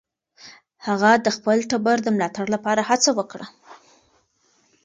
هغه د خپل ټبر د ملاتړ لپاره هڅه وکړه.